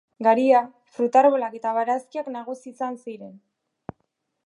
Garia, fruta-arbolak eta barazkiak nagusi izan ziren.